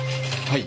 はい。